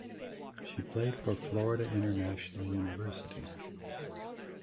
She played for Florida International University.